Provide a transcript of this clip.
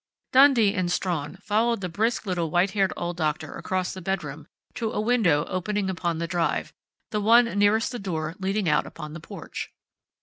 Dundee and Strawn followed the brisk little white haired old doctor across the bedroom to a window opening upon the drive the one nearest the door leading out upon the porch.